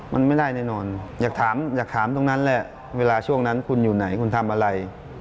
มันไม่ได้แน่นอนอยากถามอยากถามตรงนั้นแหละเวลาช่วงนั้นคุณอยู่ไหนคุณทำอะไร